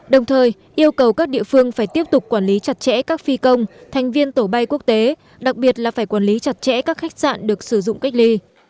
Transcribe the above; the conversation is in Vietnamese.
đồng thời yêu cầu các địa phương phải tiếp tục quản lý chặt chẽ các phi công thành viên tổ bay quốc tế đặc biệt là phải quản lý chặt chẽ các khách sạn được sử dụng cách ly